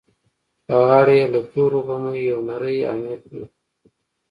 په غاړه يې له تورو غميو يو نری اميل پروت و.